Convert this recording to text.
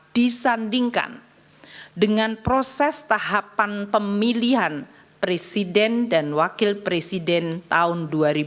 disandingkan dengan proses tahapan pemilihan presiden dan wakil presiden tahun dua ribu dua puluh